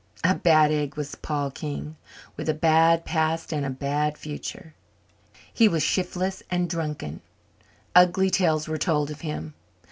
A bad egg was Paul King, with a bad past and a bad future. He was shiftless and drunken; ugly tales were told of him.